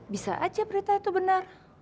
bisa aja berita itu benar